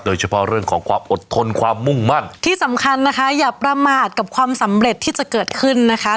โดยเฉพาะเรื่องของความอดทนความมุ่งมั่นที่สำคัญนะคะอย่าประมาทกับความสำเร็จที่จะเกิดขึ้นนะคะ